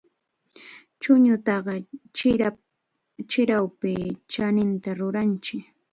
Chʼuñutaqa chirawpi chaninta ruranchik.